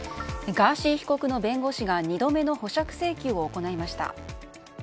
ガーシー被告の弁護士が２度目の保釈請求を行いました。